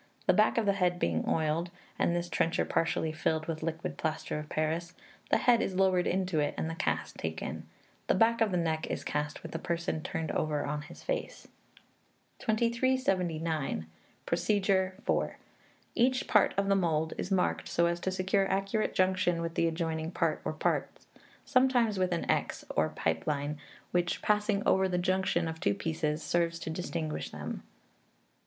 The back of the head being oiled, and this trencher partially filled with liquid plaster of Paris, the head is lowered into it, and the cast taken. The back of the neck is cast with the person turned over on his face. 2379. Procedure (4). Each part of the mould is marked so as to secure accurate junction with the adjoining part or parts; sometimes with a x or ||, which, passing over the junction of two pieces, serves to distinguish them.